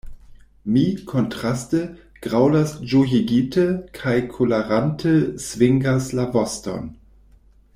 Mi, kontraste, graŭlas ĝojigite kaj kolerante svingas la voston.